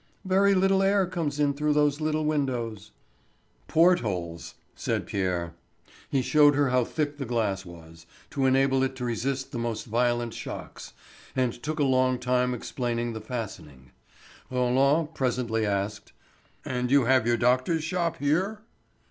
"Very little air comes in through those little windows." "Port holes," said Pierre. He showed her how thick the glass was, to enable it to resist the most violent shocks, and took a long time explaining the fastening. Roland presently asked: "And you have your doctor's shop here?"